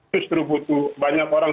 justru butuh banyak orang